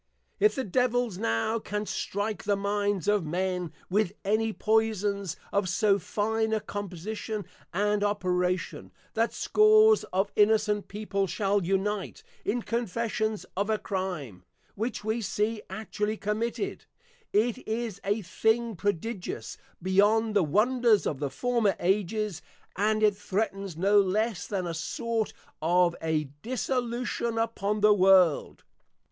If the Devils now can strike the minds of men with any Poisons of so fine a Composition and Operation, that Scores of Innocent People shall Unite, in Confessions of a Crime, which we see actually committed, it is a thing prodigious, beyond the Wonders of the former Ages, and it threatens no less than a sort of a Dissolution upon the World.